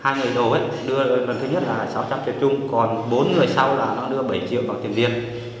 hai người đầu đưa lần thứ nhất là sáu trăm linh triệu trung còn bốn người sau là nó đưa bảy triệu vào tiền tiền